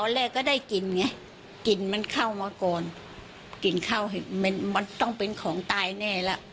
แรกก็ได้กลิ่นไงกลิ่นมันเข้ามาก่อนกลิ่นเข้ามันต้องเป็นของตายแน่แล้ว